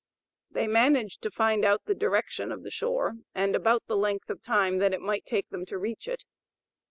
They managed to find out the direction of the shore, and about the length of time that it might take them to reach it.